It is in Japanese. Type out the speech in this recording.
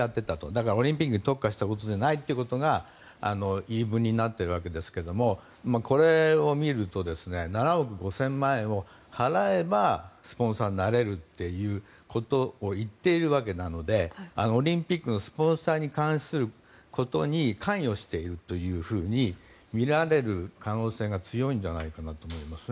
だからオリンピックに特化したものではないという言い分になっているわけですがこれを見ると７億５０００万円を払えばスポンサーになれるということを言っているわけなのでオリンピックのスポンサーに関することに関与しているというふうにみられる可能性が強いんじゃないかなと思います。